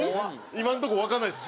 今のとこわかんないです。